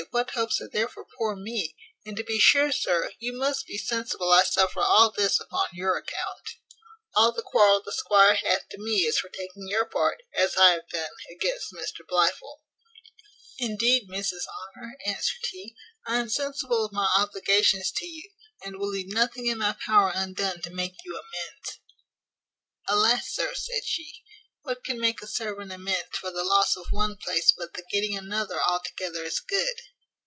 what hopes are there for poor me? And to be sure, sir, you must be sensible I suffer all this upon your account. All the quarrel the squire hath to me is for taking your part, as I have done, against Mr Blifil." "Indeed, Mrs Honour," answered he, "I am sensible of my obligations to you, and will leave nothing in my power undone to make you amends." "Alas! sir," said she, "what can make a servant amends for the loss of one place but the getting another altogether as good?"